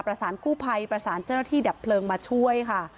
กู้ภัยประสานเจ้าหน้าที่ดับเพลิงมาช่วยค่ะ